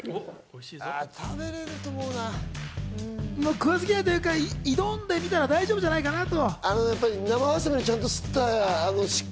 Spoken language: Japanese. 食わず嫌いというか、挑んでみたら大丈夫じゃないかなと。